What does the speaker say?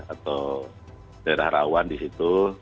atau daerah rawan di situ